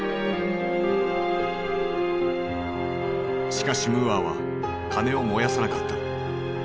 しかしムーアは金を燃やさなかった。